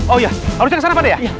oh iya harusnya kesana pada ya